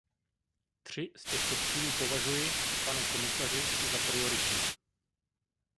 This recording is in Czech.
Tři z těchto cílů považuji, pane komisaři, za prioritní.